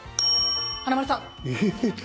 華丸さん。